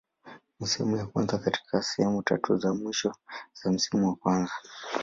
Ni sehemu ya kwanza katika sehemu tatu za mwisho za msimu wa kwanza.